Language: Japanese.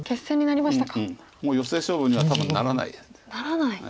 もうヨセ勝負には多分ならない。ならない。